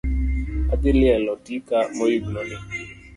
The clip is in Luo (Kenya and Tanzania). Adhi lielo tika moyugno ni